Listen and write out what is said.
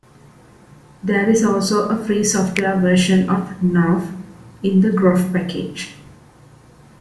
There is also a free software version of "nroff" in the groff package.